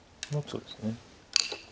そうですね。